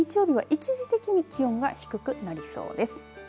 一時的に気温が低くなりそうです。